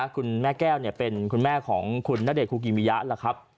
คุณแม่แก้วเป็นคุณแม่ของคุณณเดชคุกิมิยะ